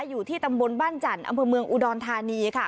อยู่ที่ตำบลบ้านจันทร์อำเภอเมืองอุดรธานีค่ะ